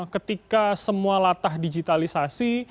ketika semua latah digitalisasi